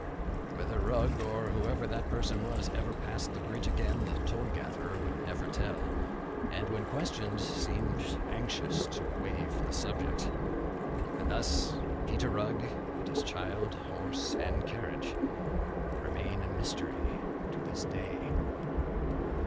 Whether Rugg, or whoever the person was, ever passed the bridge again, the toll gatherer would never tell; and when questioned, seemed anxious to waive the subject. And thus Peter Rugg and his child, horse and carriage, remain a mystery to this day."